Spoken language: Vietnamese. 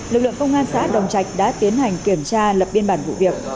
lực lượng công an xã đồng trạch đã tiến hành kiểm tra lập biên bản vụ việc